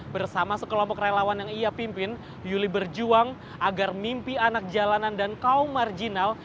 bersama sekelompok relawan yang ia pimpin yuli berjuang agar mimpi anak jalanan dan kaum marginal